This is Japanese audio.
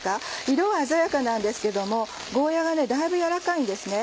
色が鮮やかなんですけどもゴーヤがだいぶ軟らかいんですね。